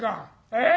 ええ？